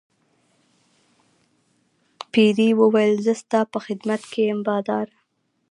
پیري وویل زه ستا په خدمت کې یم باداره.